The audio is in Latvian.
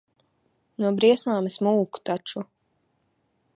No briesmām es mūku taču.